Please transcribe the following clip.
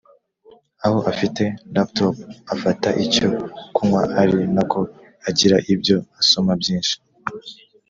aho afite laptop afata icyo kunywa ari nako agira ibyo asoma byinshi